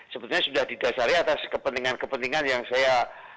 sebetulnya sudah didasari atas kepentingan kepentingan yang saya